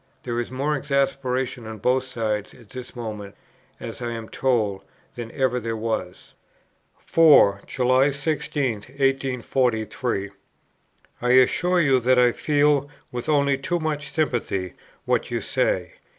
There is more exasperation on both sides at this moment, as I am told, than ever there was." 4. "July 16, 1843. I assure you that I feel, with only too much sympathy, what you say.